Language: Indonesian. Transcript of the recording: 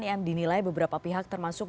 yang dinilai beberapa pihak termasuk